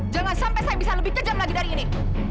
jangan sampai saya bisa lebih kejam lagi dari ini